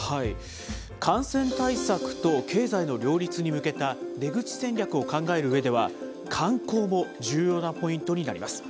感染対策と経済の両立に向けた出口戦略を考えるうえでは、観光も重要なポイントになります。